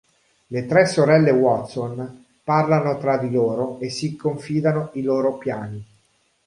Le tre sorelle Watson parlano tra di loro e si confidano i loro piani.